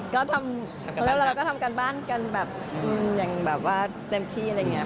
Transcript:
ก็ทำการบ้านกันแบบเต็มที่อะไรเงี้ย